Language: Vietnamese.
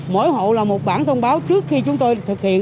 mỗi hộ là một bản thông báo trước khi chúng tôi thực hiện